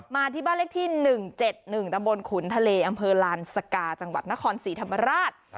มาที่บ้านเลขที่๑๗๑ตะบนขุนทะเลอำเภอลานสกาจังหวัดนครศรีธรรมราช